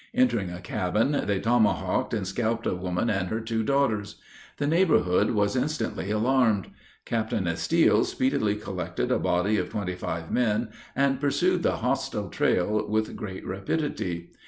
Entering a cabin, they tomahawked and scalped a woman and her two daughters. The neighborhood was instantly alarmed. Captain Estill speedily collected a body of twenty five men, and pursued the hostile trail with great rapidity.